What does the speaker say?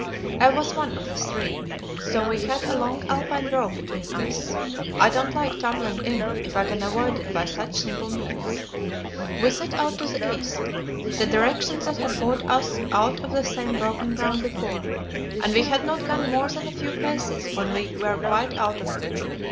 I was one of the three, so we had a long Alpine rope between us; I don't like tumbling in, if I can avoid it by such simple means. We set out to the east the direction that had brought us out of the same broken ground before and we had not gone more than a few paces when we were quite out of it.